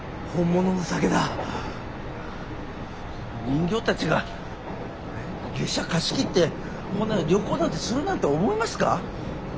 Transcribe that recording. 人形たちが列車貸し切ってこんな旅行なんてするなんて思いますか？